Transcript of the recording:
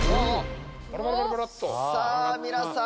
さぁ皆さん